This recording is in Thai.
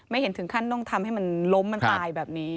เห็นถึงขั้นต้องทำให้มันล้มมันตายแบบนี้